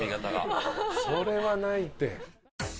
それはないって。